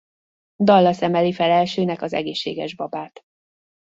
Dallas emeli fel elsőnek az egészséges babát.